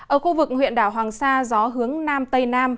ở khu vực huyện đảo hoàng sa gió hướng nam tây nam